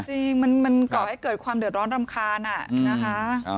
จริงมันก่อให้เกิดความเดือดร้อนรำคาญนะคะ